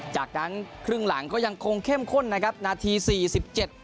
จากนั้นครึ่งหลังก็ยังคงเข้มข้นนะครับนาทีสี่สิบเจ็ด